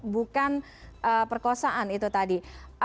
bukan perkosaan itu tadi